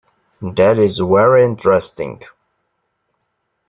That is very interesting.